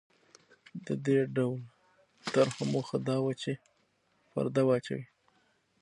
د دې ډول طرحو موخه دا وه چې پرده واچوي.